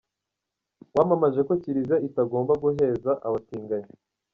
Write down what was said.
wamamaje ko Kiliziya itagomba guheza abatinganyi.